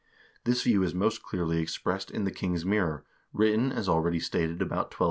This view is most clearly expressed in the " King's Mirror, " written, as already stated, about 1250.